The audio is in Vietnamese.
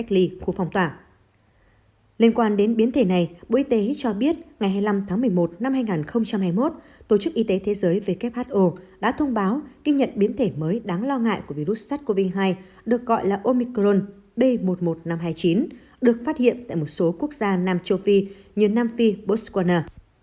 liên quan đến biến thể này bộ y tế cho biết ngày hai mươi năm tháng một mươi một năm hai nghìn hai mươi một tổ chức y tế thế giới who đã thông báo kinh nhận biến thể mới đáng lo ngại của virus sars cov hai được gọi là omicron b một một năm trăm hai mươi chín được phát hiện tại một số quốc gia nam châu phi như nam phi botswana